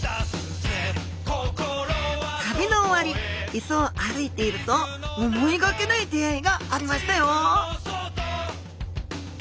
旅の終わりいそを歩いていると思いがけない出会いがありましたよ